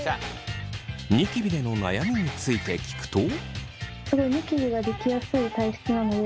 ニキビでの悩みについて聞くと。